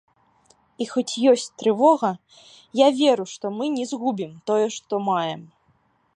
І хоць ёсць трывога, я веру, што мы не згубім тое, што маем.